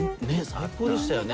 最高でしたよね。